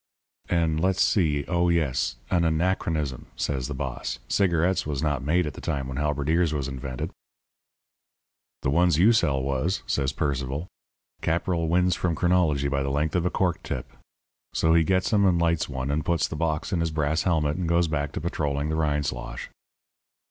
"'An' let's see oh, yes 'An anachronism,' says the boss. 'Cigarettes was not made at the time when halberdiers was invented.' "'The ones you sell was,' says Sir Percival. 'Caporal wins from chronology by the length of a cork tip.' So he gets 'em and lights one, and puts the box in his brass helmet, and goes back to patrolling the Rindslosh.